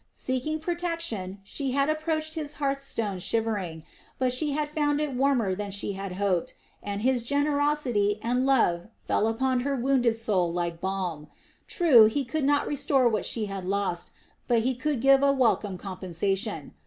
Seeking protection she had approached his hearthstone shivering, but she had found it warmer than she had hoped, and his generosity and love fell upon her wounded soul like balm. True, he could not restore what she had lost, but he could give a welcome compensation.